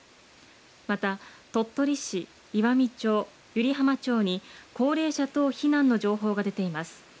また、鳥取市、岩美町、湯梨浜町に高齢者等避難の情報が出ています。